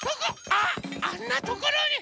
あっあんなところに！